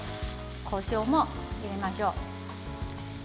こしょうも入れましょう。